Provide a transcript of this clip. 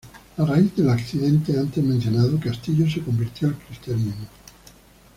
A raíz del accidente antes mencionado, Castillo se convirtió al cristianismo.